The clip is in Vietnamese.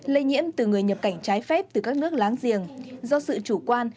lây nhiễm từ người nhập cảnh trái phép từ các nước láng giềng do sự chủ quan